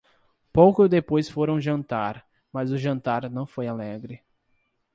Pouco depois foram jantar; mas o jantar não foi alegre.